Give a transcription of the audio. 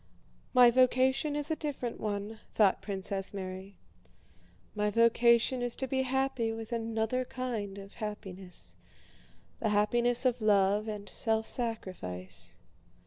"My vocation is a different one," thought Princess Mary. "My vocation is to be happy with another kind of happiness, the happiness of love and self sacrifice.